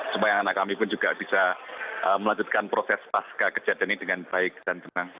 supaya anak kami pun juga bisa melanjutkan proses pasca kejadian ini dengan baik dan tenang